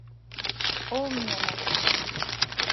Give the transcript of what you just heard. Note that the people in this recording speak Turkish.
Olmuyor mu?